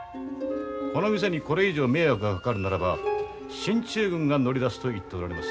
この店にこれ以上迷惑がかかるならば進駐軍が乗り出すと言っておられます。